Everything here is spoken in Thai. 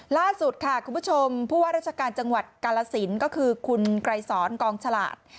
ล่าสุดค่ะคุณผู้ชมผู้ว่าราชการจังหวัดกาลสินก็คือคุณไกรสอนกองฉลาด